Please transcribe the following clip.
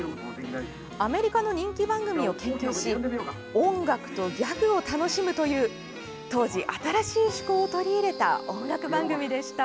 アメリカの人気番組を研究し音楽とギャグを楽しむという当時、新しい趣向を取り入れた音楽番組でした。